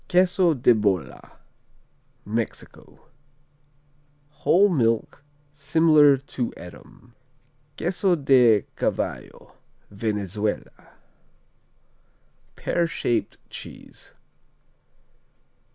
Queso de Bola Mexico Whole milk, similar to Edam. Queso de Cavallo Venezuela Pear shaped cheese.